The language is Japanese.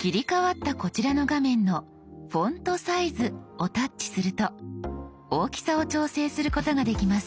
切り替わったこちらの画面の「フォントサイズ」をタッチすると大きさを調整することができます。